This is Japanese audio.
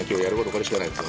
これしかないです